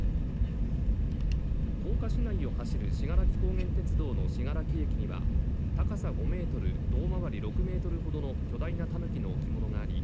甲賀市内を走る信楽高原鉄道の信楽駅には高さ５メートル胴回り６メートルほどの巨大なたぬきの置物があり